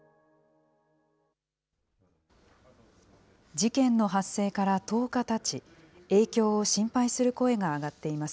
事件の発生から１０日たち、影響を心配する声が上がっています。